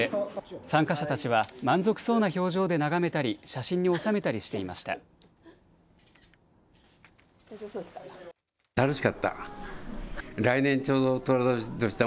参加者たちは満足そうな表情で眺めたり写真に収めたりしていました。